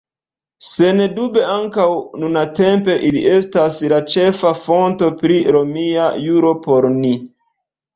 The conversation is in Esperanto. Sendube ankaŭ nuntempe ili estas la ĉefa fonto pri romia juro por ni.